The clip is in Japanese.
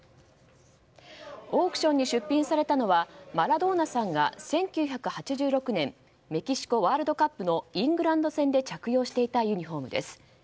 オークションに出品されたのはマラドーナさんが１９８６年メキシコワールドカップのイングランド戦で着用していたユニホームです。